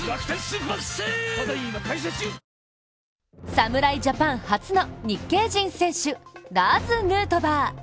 侍ジャパン初の日系人選手ラーズ・ヌートバー。